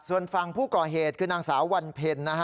ส่วนฟังผู้ก่อเหตุคือนางสาววันเพลน